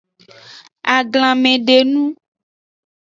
Aglanmedenu.